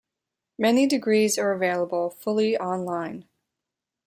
Many degrees are available fully online.